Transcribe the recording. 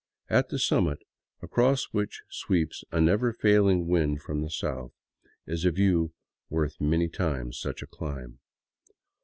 At the summit, across which sweeps a never failing wind from the south, is a view worth many times such a climb.